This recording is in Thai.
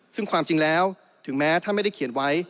ซึ่งความจริงแล้วถึงแม้ท่านไม่ได้เขียนไว้